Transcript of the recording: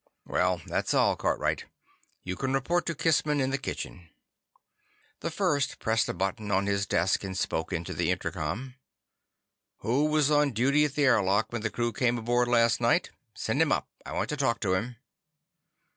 "Well, that's all, Cartwright. You can report to Kissman in the kitchen." The First pressed a button on his desk and spoke into the intercom. "Who was on duty at the airlock when the crew came aboard last night? Send him up. I want to talk to him."